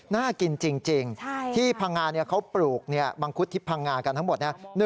น่ากินจริงที่พังงาเขาปลูกมังคุดที่พังงากันทั้งหมด